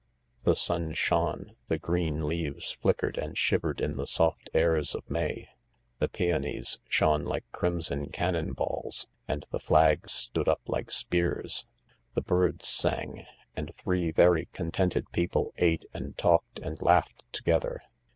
The sun shone, the green leaves flickered and shivered in the soft airs of May. The peonies shone like crimson cannon balls, and the flags stood up like spears ; the birds sang, and three very contented people ate and talked and laughed together.